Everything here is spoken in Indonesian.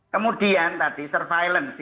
kemudian tadi surveillance